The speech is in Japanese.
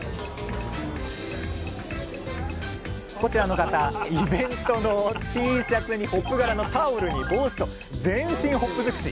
こちらの方イベントのＴシャツにホップ柄のタオルに帽子と全身ホップ尽くし！